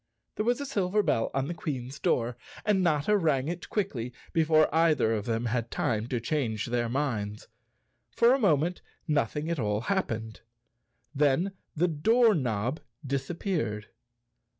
There was a silver bell on the Queen's door and Notta rang it quickly, before either of them had time to change their minds. For a moment nothing at all hap¬ pened. Then the door knob disappeared.